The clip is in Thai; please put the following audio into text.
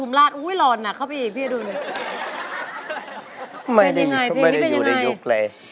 ไม่ได้อยู่ในยุคเลย